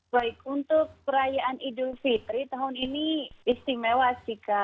baik untuk perayaan idul fitri tahun ini istimewa siha